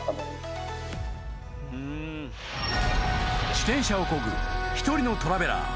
［自転車をこぐ一人のトラベラー］